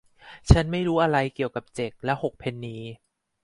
ฉันไม่รู้อะไรเกี่ยวกับเจ็กและหกเพนนี